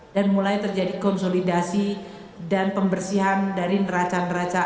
dan mulai terjadi konsolidasi dan pembersihan dari neraca neraca